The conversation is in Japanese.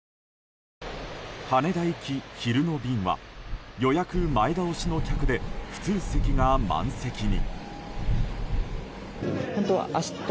羽田行き昼の便は予約前倒しの客で普通席が満席に。